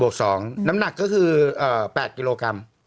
น้ำหนักก็คือ๘กิโลกรัม